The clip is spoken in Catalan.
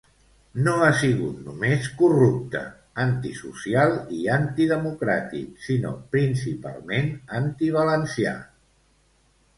No ha sigut només corrupte, antisocial i antidemocràtic, sinó principalment antivalencià.